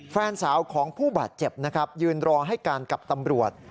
แฟนสาวของผู้บาดเจ็บนะครับยืนรอให้การกับตำรวจ